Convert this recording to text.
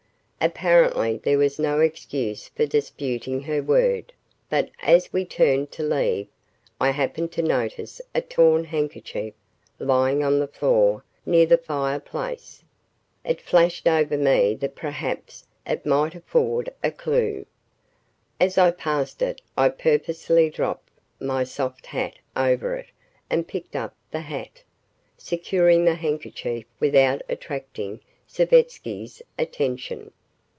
Apparently there was no excuse for disputing her word, but, as we turned to leave, I happened to notice a torn handkerchief lying on the floor near the fireplace. It flashed over me that perhaps it might afford a clue. As I passed it, I purposely dropped my soft hat over it and picked up the hat, securing the handkerchief without attracting Savetsky's attention.